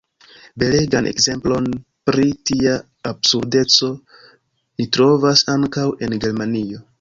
Belegan ekzemplon pri tia absurdeco ni trovas ankaŭ en Germanio.